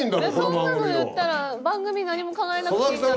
そんなの言ったら番組何も考えなくていいんだったら。